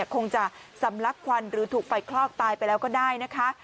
คงจะสำลักควันหรือถูกไฟคลอกตายไปแล้วก็ได้นะคะ